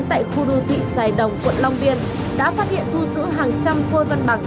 tại khu đô thị dài đồng quận long biên đã phát hiện thu giữ hàng trăm phôi văn bằng